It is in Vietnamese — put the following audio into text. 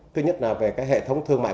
thứ nhất là về cái hệ thống thương mại